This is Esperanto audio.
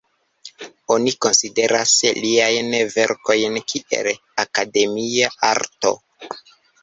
Oni konsideras liajn verkojn kiel akademia arto.